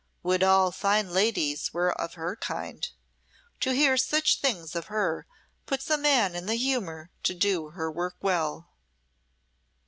Would all fine ladies were of her kind. To hear such things of her puts a man in the humour to do her work well."